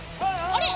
あれ？